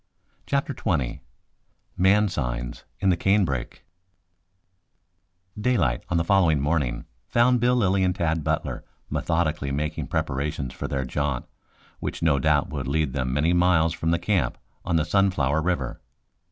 CHAPTER XX MAN SIGNS IN THE CANEBRAKE Daylight on the following morning found Bill Lilly and Tad Butler methodically making preparations for their jaunt, which no doubt would lead them many miles from the camp on the Sunflower River.